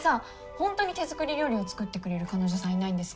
本当に手作り料理を作ってくれる彼女さんいないんですか？